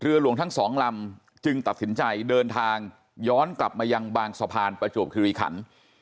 หลวงทั้งสองลำจึงตัดสินใจเดินทางย้อนกลับมายังบางสะพานประจวบคิริขัน